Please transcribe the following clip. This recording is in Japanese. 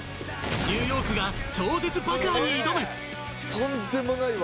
ニューヨークが超絶爆破に挑む。